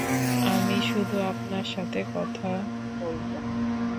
আমি শুধু আপনার সাথে কথা বলব।